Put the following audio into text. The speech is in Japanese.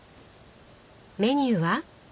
メニューは？